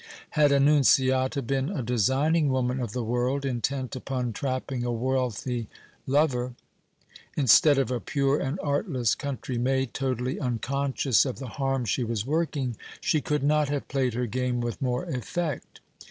Had Annunziata been a designing woman of the world intent upon trapping a wealthy lover, instead of a pure and artless country maid totally unconscious of the harm she was working, she could not have played her game with more effect.